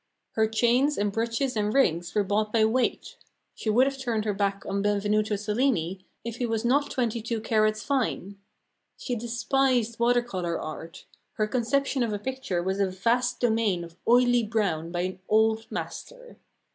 Her chains and brooches and rings were bought by weight. She would have turned her back on Benvenuto Cellini if he was not 22 carats fine. She despised water colour art; her conception of a picture was a vast domain of oily brown by an Old Master.